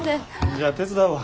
じゃあ手伝うわ。